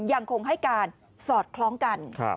ยังคงให้การสอดคล้องกัน